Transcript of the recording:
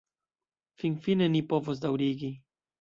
Finfine ni povos daŭrigi!